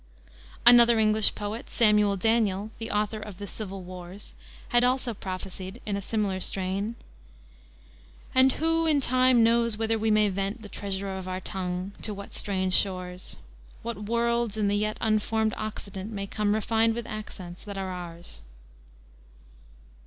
Another English poet, Samuel Daniel, the author of the Civil Wars, had also prophesied in a similar strain: "And who in time knows whither we may vent The treasure of our tongue, to what strange shores~.~.~. What worlds in the yet unformed Occident May come refined with accents that are ours."